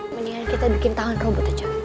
mendingan kita bikin tahun robot aja